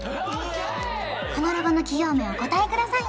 このロゴの企業名をお答えください